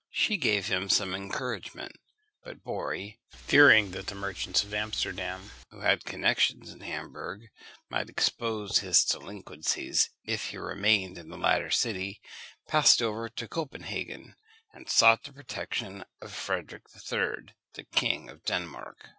She gave him some encouragement; but Borri, fearing that the merchants of Amsterdam, who had connexions in Hamburgh, might expose his delinquencies if he remained in the latter city, passed over to Copenhagen, and sought the protection of Frederick III., the king of Denmark.